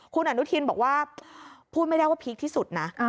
คุณอนุทินบอกว่าพูดไม่ได้ว่าพีคที่สุดนะ